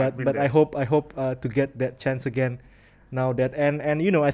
tapi saya berharap bisa mendapatkan kesempatan itu lagi